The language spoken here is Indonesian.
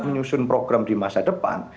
menyusun program di masa depan